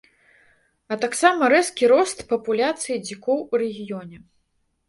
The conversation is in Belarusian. А таксама рэзкі рост папуляцыі дзікоў у рэгіёне.